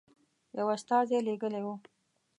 یو استازی لېږلی وو.